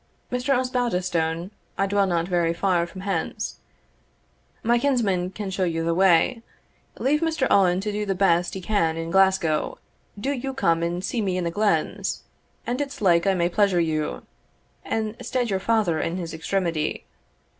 Mr. Osbaldistone, I dwell not very far from hence my kinsman can show you the way Leave Mr. Owen to do the best he can in Glasgow do you come and see me in the glens, and it's like I may pleasure you, and stead your father in his extremity.